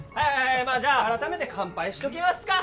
まあじゃあ改めて乾杯しときますか。